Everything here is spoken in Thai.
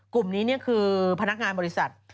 กลุ่มนี้คือพนักงานบริษัท